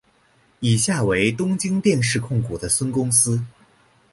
以下为东京电视控股的孙公司。